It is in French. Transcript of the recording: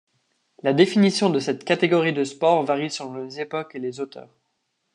La définition de cette catégorie de sports varie selon les époques et les auteurs.